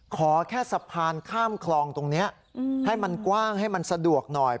ขอแค่สะพานข้ามคลองตรงนี้ให้มันกว้างให้มันสะดวกหน่อย